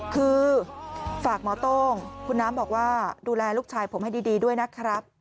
คือฝากหมอโต้งคุณน้ำบอกว่าดูแลลูกชายผมให้ดีด้วยนะครับ